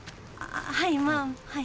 はいまぁはい。